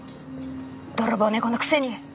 泥棒猫のくせに。